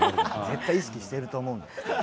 絶対意識してると思う。